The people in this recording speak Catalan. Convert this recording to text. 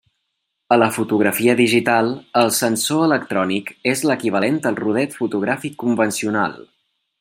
A la fotografia digital el sensor electrònic és l'equivalent al rodet fotogràfic convencional.